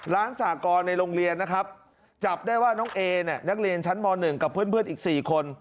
ร้านสากรในโรงเรียนจับได้ว่าน้องเอนักเรียนชั้นม๑กับเพื่อนอีก๔คน